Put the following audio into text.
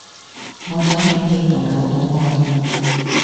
我想喺你度攞到愛